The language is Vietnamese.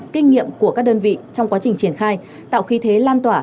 kinh nghiệm của các đơn vị trong quá trình triển khai tạo khí thế lan tỏa